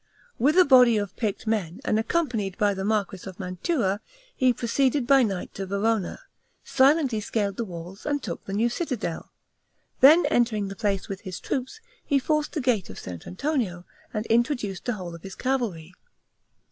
With a body of picked men, and accompanied by the marquis of Mantua, he proceeded by night to Verona, silently scaled the walls, and took the New Citadel: then entering the place with his troops, he forced the gate of S. Antonio, and introduced the whole of his cavalry.